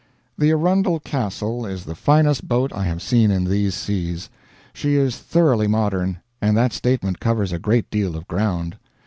The Arundel Castle is the finest boat I have seen in these seas. She is thoroughly modern, and that statement covers a great deal of ground.